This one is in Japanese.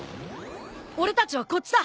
俺たちはこっちだ。